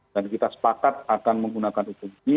dan kita sepakat akan menggunakan hukum ini